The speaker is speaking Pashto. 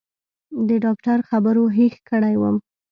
د ډاکتر خبرو هېښ کړى وم.